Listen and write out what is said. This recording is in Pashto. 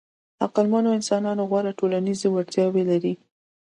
عقلمنو انسانانو غوره ټولنیزې وړتیاوې لرلې.